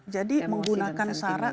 jadi menggunakan syarat